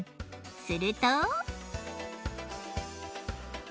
すると。